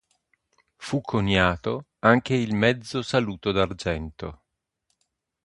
Fu coniato anche il mezzo saluto d'argento.